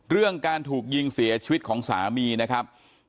เรื่องการถูกยิงเสียชีวิตของสามีนะครับ